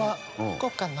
こうかな？